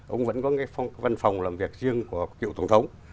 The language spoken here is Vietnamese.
ông vẫn có cái văn phòng làm việc riêng của cựu tổng thống